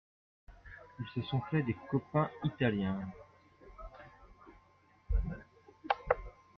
Ils se sont fait des copains italiens.